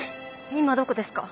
今どこですか？